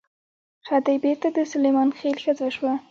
خدۍ بېرته د سلیمان خېل ښځه شوه.